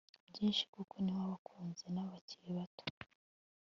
byinshi kuko niho abakuze n'abakiri bato